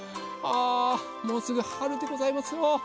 あもうすぐはるでございますよ。